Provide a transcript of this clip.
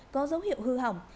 có dấu hiệu hư hỏng